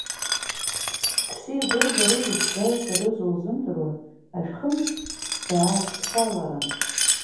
Дсеигәырӷьарызу, сџьалшьарызу лзымдыруа ашәхымс дааххаларын.